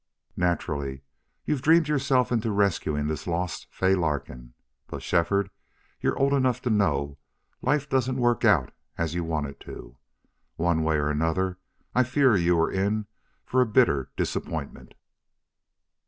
"Naturally. You've dreamed yourself into rescuing this lost Fay Larkin.... But, Shefford, you're old enough to know life doesn't work out as you want it to. One way or another I fear you're in for a bitter disappointment."